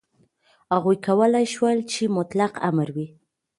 هغوی کولای شول چې مطلق امر وي.